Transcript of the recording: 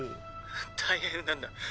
「大変なんだ。